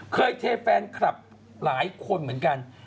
เทแฟนคลับหลายคนเหมือนกัน